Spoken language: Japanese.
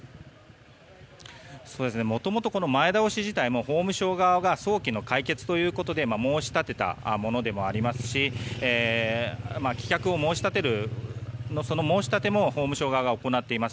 もともと前倒し自体も法務省側が申し立てたものでもありますし棄却を申し立てるその申し立ても法務省側が行っています。